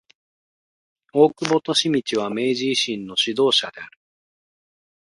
大久保利通は明治維新の指導者である。